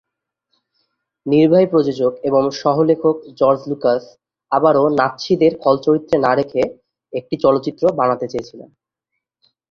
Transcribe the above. নির্বাহী প্রযোজক এবং সহ-লেখক "জর্জ লুকাস" আবারো "নাৎসি"দের খল চরিত্রে না রেখে একটি চলচ্চিত্র বানাতে চেয়েছিলেন।